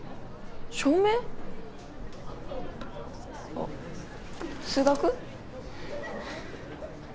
あっ数学？